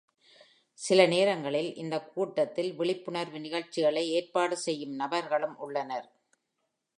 சில நேரங்களில் இந்த கூட்டத்தில் விழிப்புணர்வு நிகழ்ச்சிகளை ஏற்பாடு செய்யும் நபர்களும் உள்ளனர்.